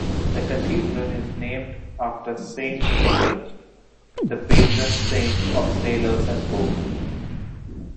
The cathedral is named after Saint Nicholas, the patron saint of sailors and boats.